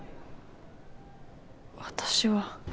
私は。